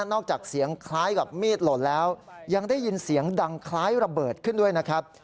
จากเสียงคล้ายกับมีดหล่นแล้วยังได้ยินเสียงดังคล้ายระเบิดขึ้นด้วยนะครับ